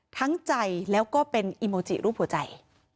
ทั้งใจแล้วก็เป็นอิโมจิรูปหัวใจ